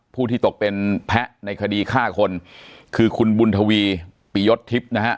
ผู้ที่ตกเป็นแพะในคดีฆ่าคนคือคุณบุญทวีปิยศทิพย์นะฮะ